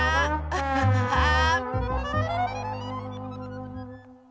アッハハハー！